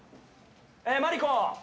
マリコ！